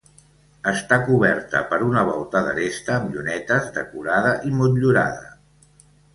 Està coberta per una volta d'aresta amb llunetes decorada i motllurada.